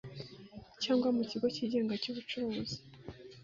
Cyangwa mu kigo cyigenga cy ubucuruzi